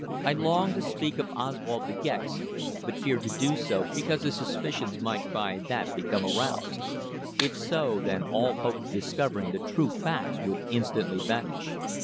I longed to speak of Oswald De Gex, but feared to do so because his suspicions might by that become aroused. If so, then all hope of discovering the true facts would instantly vanish.